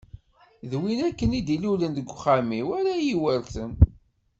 D win akken i d-ilulen deg uxxam-iw ara yi-iweṛten.